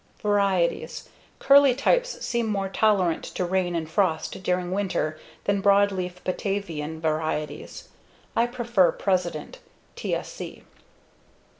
Varieties: Curly types seem more tolerant to rain and frost during winter than broad leaf Batavian varieties. I prefer President (TSC).